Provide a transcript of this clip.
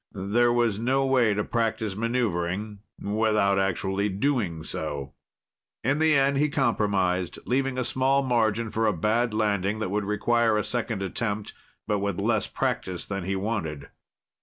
There was no way to practice maneuvering without actually doing so. In the end, he compromised, leaving a small margin for a bad landing that would require a second attempt, but with less practice than he wanted.